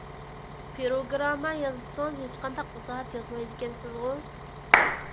پىروگرامما يازسىڭىز ھېچقانداق ئىزاھات يازمايدىكەنسىزغۇ!